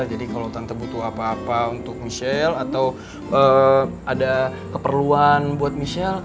jadi kalau tante butuh apa apa untuk michelle atau ada keperluan buat michelle